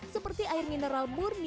seperti air mineral